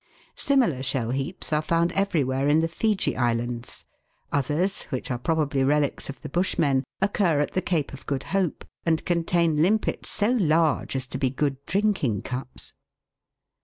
Similar shell heaps are found everywhere in the Fiji islands ; others, which are probably relics of the Bushmen, occur at the Cape of Good Hope, and contain limpets so large as to be good drinking cups.